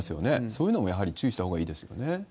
そういうのも注意したほうがいいですよね？